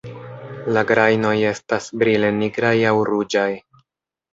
La grajnoj estas brile nigraj aŭ ruĝaj.